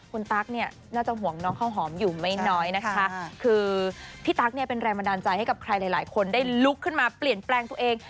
คุณตั๊กเนี่ยน่าจะห่วงน้องข้าวหอมอยู่ไม่น้อยนะคะคือพี่ตั๊กเนี่ยเป็นแรงบันดาลใจให้กับใครหลายคนได้ลุกขึ้นมาเปลี่ยนแปลงตัวเอง